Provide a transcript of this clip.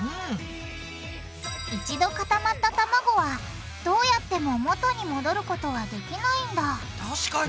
一度固まったたまごはどうやっても元に戻ることはできないんだ確かに。